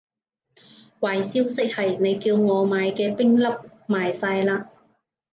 壞消息係，你叫我買嘅冰粒賣晒喇